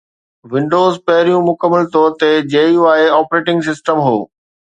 windows پهريون مڪمل طور تي GUI آپريٽنگ سسٽم هو